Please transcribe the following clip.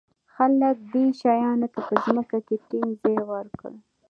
خلک دې شیانو ته په ځمکه کې ټینګ ځای ورکړ.